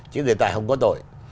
chứ đề tài không có tội